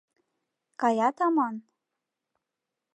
Каят аман?